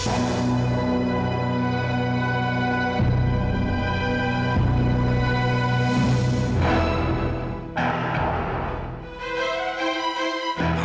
aku harus pulang sekarang